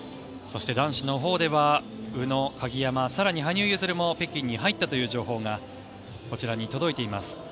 そして、男子のほうでは宇野、鍵山、更に羽生結弦も北京に入ったという情報がこちらに届いています。